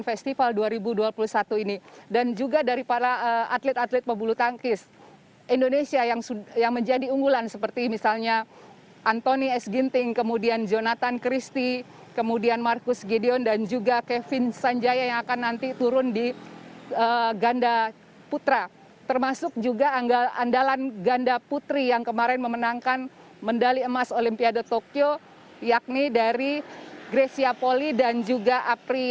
festival dua ribu dua puluh satu ini dan juga dari para atlet atlet pebuluh tangkis indonesia yang yang menjadi unggulan seperti misalnya antoni esginting kemudian jonathan christy kemudian marcus gideon dan juga kevin sanjaya yang akan nanti turun di ganda putra termasuk juga andalan ganda putri yang kemarin memenangkan mendali emas olimpiade tokyo yakni dari grecia poli dan juga apriani